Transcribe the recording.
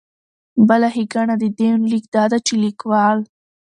بله ښېګنه د دې يونليک دا ده چې ليکوال